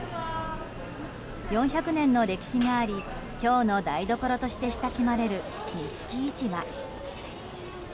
４００年の歴史があり京の台所として親しまれる錦市場。